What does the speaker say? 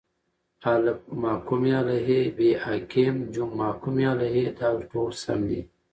الف: محکوم علیه ب: حاکم ج: محکوم علیه د: ټوله سم دي